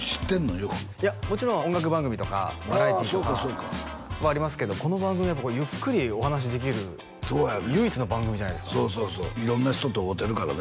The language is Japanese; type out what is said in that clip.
よくいやもちろん音楽番組とかああそうかそうかバラエティーとかはありますけどこの番組は僕ゆっくりお話できる唯一の番組じゃないですかそうそうそう色んな人と会うてるからね